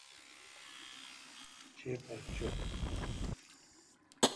چیپر چو۔